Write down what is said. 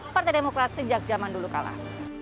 partai demokrat sejak zaman dulu kalah